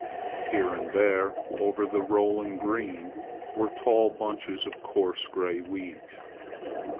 Here and there over the rolling green were tall bunches of coarse gray weeds.